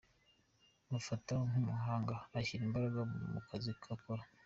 Mufata nk’umuhanga, ashyira imbaraga mu kazi akora.